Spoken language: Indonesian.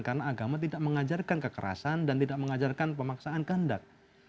karena agama tidak mengajarkan kekerasan dan tidak mengajarkan pemaksaan kandat